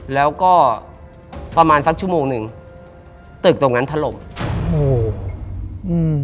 แล้วก็ประมาณสักชั่วโมงนึงตึกตรงนั้นถร่มโห